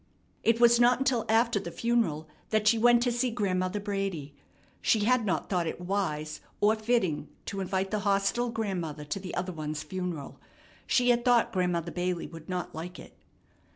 It was not until after the funeral that she went to see Grandmother Brady. She had not thought it wise or fitting to invite the hostile grandmother to the other one's funeral. She had thought Grandmother Bailey would not like it.